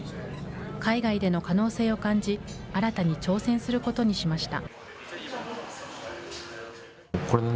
海外での可能性を感じ、新たに挑戦することにしました。